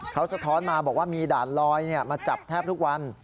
เขาสะท้อนมาบอกว่ามีด่านลอยมาจับแทบทุกวัน